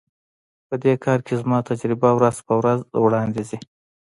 په دې کار کې زما تجربه ورځ په ورځ وړاندي ځي.